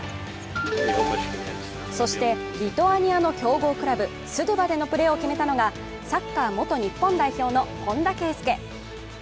そしてリトアニアの強豪クラブ・スドゥバでのプレーを決めたのがサッカー元日本代表の本田圭佑。